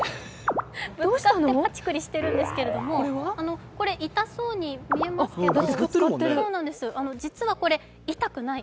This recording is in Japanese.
ぶつかってぱちくりしているんですけど、これ痛そうに見えますけど、実はこれ痛くない。